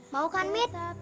mau kan nen